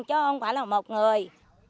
đó ông quả là một người